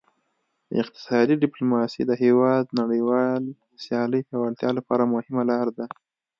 اقتصادي ډیپلوماسي د هیواد نړیوال سیالۍ پیاوړتیا لپاره مهمه لار ده